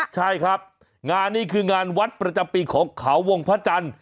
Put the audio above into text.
ใช่ครับงานนี้คืองานวัดประจำปีของเขาวงพระจันทร์